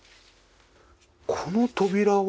この扉は？